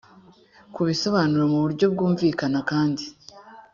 kubisobanura mu buryo bwumvikana kandi